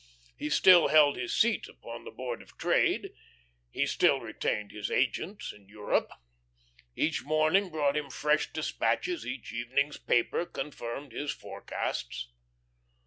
He still held his seat upon the Board of Trade. He still retained his agents in Europe. Each morning brought him fresh despatches, each evening's paper confirmed his forecasts.